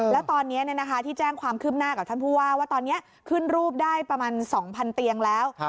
แล้วตอนนี้ที่แจ้งความคืบหน้ากับท่านผู้ว่าว่าตอนนี้ขึ้นรูปได้ประมาณ๒๐๐เตียงแล้ว